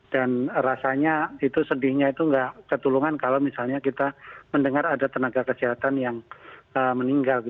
dan rasanya itu sedihnya itu tidak ketulungan kalau misalnya kita mendengar ada tenaga kesehatan yang meninggal